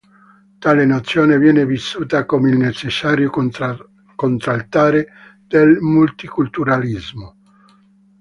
Tale nozione viene vissuta come il necessario contraltare del multiculturalismo.